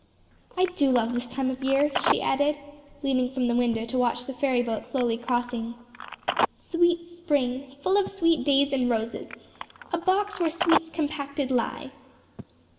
"I do love this time of year," she added, leaning from the window to watch the ferryboat slowly crossing, "'Sweet spring, full of sweet days and roses, A box where sweets compacted lie.'"